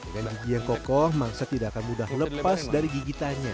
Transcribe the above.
dengan gigi yang kokoh mangsak tidak akan mudah lepas dari gigitannya